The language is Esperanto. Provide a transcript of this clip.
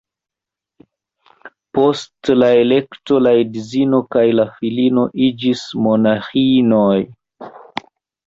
Post la elekto la edzino kaj la filino iĝis monaĥinoj.